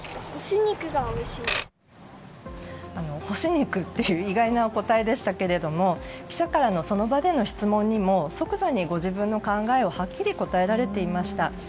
干し肉という意外なお答えでしたけれども記者からの、その場での質問にも即座にご自分の考えをはっきり答えられていました。